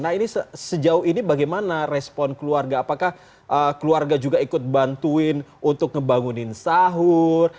nah ini sejauh ini bagaimana respon keluarga apakah keluarga juga ikut bantuin untuk ngebangunin sahur